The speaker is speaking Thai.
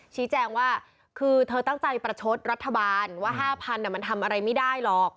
ชี้แจงว่าคือเธอตั้งใจประชดรัฐบาลว่า๕๐๐บาทมันทำอะไรไม่ได้หรอก